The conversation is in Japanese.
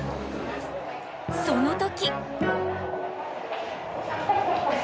その時。